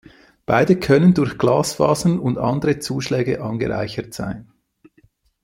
Beide können durch Glasfasern und andere Zuschläge angereichert sein.